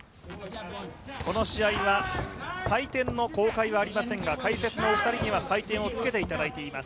この試合は採点の公開はありませんが解説のお二人には採点をつけていただいています。